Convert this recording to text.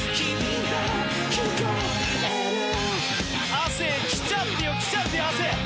亜生、来ちゃってよ、来ちゃってよ、亜生。